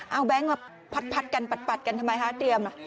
เอาแบงค์มาพัดกันปัดกันทำไมคะเตรียม